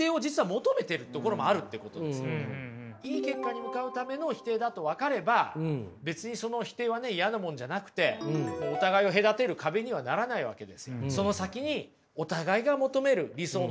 いい結果に向かうための否定だと分かれば別にその否定はね嫌なものじゃなくてお互いを隔てる壁にはならないわけですよ。